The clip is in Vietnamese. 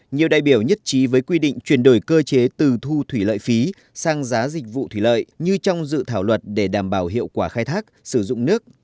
nhiều đại biểu nhất trí với quy định chuyển đổi cơ chế từ thu thủy lợi phí sang giá dịch vụ thủy lợi như trong dự thảo luật để đảm bảo hiệu quả khai thác sử dụng nước